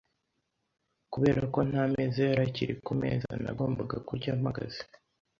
Kubera ko nta meza yari akiri ku meza, nagombaga kurya mpagaze.